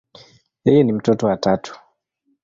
Yeye ni mtoto wa tatu.